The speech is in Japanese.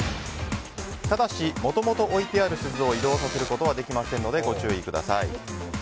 ただし、もともと置いてある鈴を移動させることはできませんのでご注意ください。